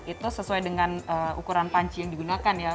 itu sesuai dengan ukuran panci yang digunakan ya